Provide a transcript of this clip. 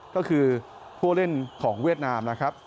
ก็คือผู้เล่นของเวียดนามนะครับ